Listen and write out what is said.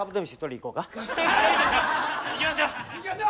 行きましょう！